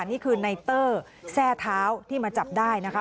นี่คือในเตอร์แทร่เท้าที่มาจับได้นะคะ